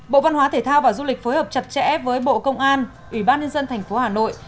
bộ văn hóa thể thao và du lịch phối hợp chặt chẽ với bộ công an ủy ban nhân dân tp hà nội